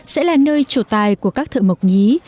sẽ là nơi trổ tài của các thợ mộc nhí